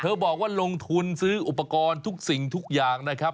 บอกว่าลงทุนซื้ออุปกรณ์ทุกสิ่งทุกอย่างนะครับ